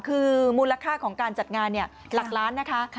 คือมูลค่าของการจัดงานหลักล้านนะคะ